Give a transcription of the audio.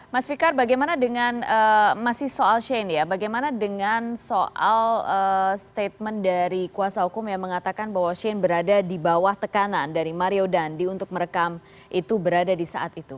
mas fikar bagaimana dengan masih soal shane ya bagaimana dengan soal statement dari kuasa hukum yang mengatakan bahwa shane berada di bawah tekanan dari mario dandi untuk merekam itu berada di saat itu